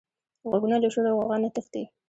غوږونه له شور او غوغا نه تښتي